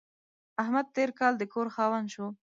احمد تېر کال د کور خاوند شو.